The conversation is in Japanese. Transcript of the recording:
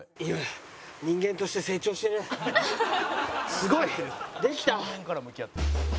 すごい！できた！